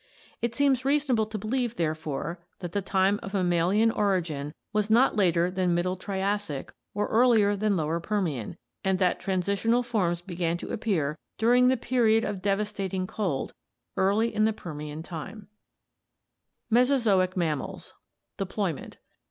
It seems reasonable to believe, therefore, that the time of mammalian origin was not later than Middle Triassic nor earlier than Lower Permian, and that transitional forms began to appear during the period of devastating cold, early in Permian time. ORIGIN OF MAMMALS AND ARCHAIC MAMMALS 543 Mesozoic Mammals Deployment.